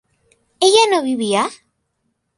¿ella no vivía?